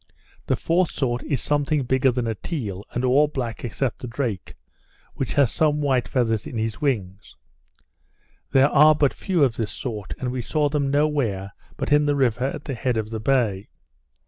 The fourth sort is something bigger than a teal, and all black except the drake, which has some white feathers in his wing. There are but few of this sort, and we saw them no where but in the river at the head of the bay.